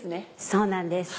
そうなんです